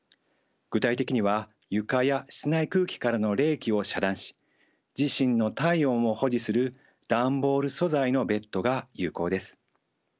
具体的には床や室内空気からの冷気を遮断し自身の体温を保持する段ボール素材のベッドが有効です。